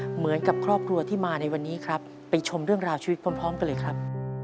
เหมือนกับครอบครัวที่มาในวันนี้ครับไปชมเรื่องราวชีวิตพร้อมกันเลยครับ